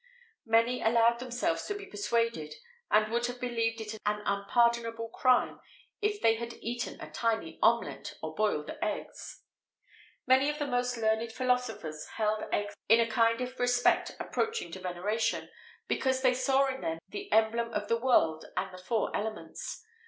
[XVIII 64] Many allowed themselves to be persuaded, and would have believed it an unpardonable crime if they had eaten a tiny omelette, or boiled eggs. Many of the most learned philosophers held eggs in a kind of respect approaching to veneration, because they saw in them the emblem of the world and the four elements.